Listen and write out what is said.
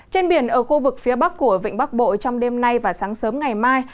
trên biển ở khu vực phía bắc của vịnh bắc bộ trong đêm nay và sáng sớm ngày mai